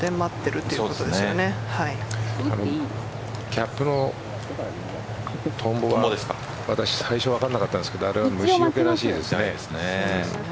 キャップのトンボは最初分からなかったんですがあれは虫よけらしいです。